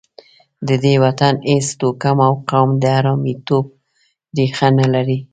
د دې وطن هېڅ توکم او قوم د حرامیتوب ریښه نه لري.